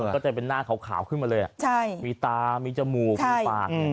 ก็จะเป็นหน้าขาวขึ้นมาเลยมีตามีจมูกมีปาก